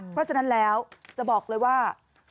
เพราะฉะนั้นแล้วจะบอกเลยว่า